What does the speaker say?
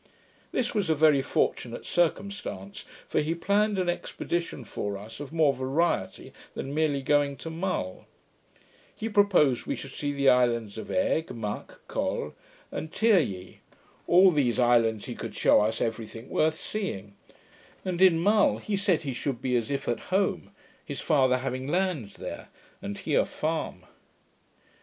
This was a very fortunate circumstance; for he planned an expedition for us of more variety than merely going to Mull. He proposed we should flee the islands of Egg, Muck, Col, and Tyr yi. In all these islands he could shew us every thing worth seeing; and in Mull he said he should be as if at home, his father having lands there, and he a farm.